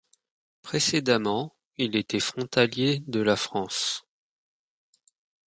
Précédemment, il était frontalier de la France.